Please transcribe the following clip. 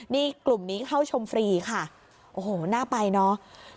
นี่กลุ่มนี้เข้าชมฟรีค่ะโอ้โหน่าไปเนอะ